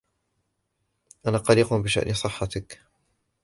أنا قلق بشأن صحتك.